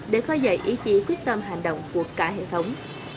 để khơi dậy ý chí quyết tâm hành động của cả hệ thống